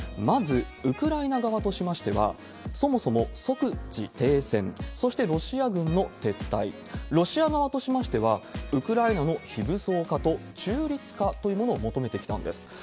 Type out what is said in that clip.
まず、ウクライナ側としましては、そもそも即時停戦、そしてロシア軍の撤退、ロシア側としましては、ウクライナの非武装化と中立化というものを求めてきたんです。